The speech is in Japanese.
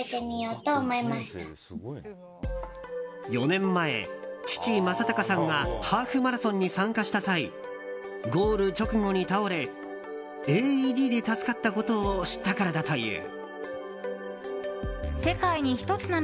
４年前、父・正隆さんがハーフマラソンに参加した際ゴール直後に倒れＡＥＤで助かったことを知ったからだという。